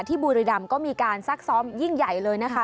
บุรีรำก็มีการซักซ้อมยิ่งใหญ่เลยนะคะ